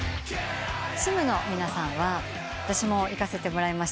ＳｉＭの皆さんは私も行かせてもらいました